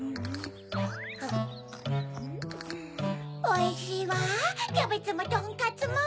おいしいわキャベツもとんかつも！